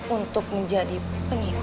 untuk menjadi pengikutku